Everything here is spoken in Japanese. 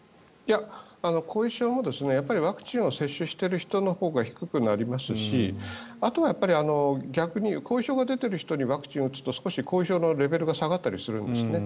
後遺症も、ワクチンを接種している人のほうが低くなりますしあとは逆に後遺症が出ている人にワクチンを打つと少し後遺症のレベルが下がったりするんですね。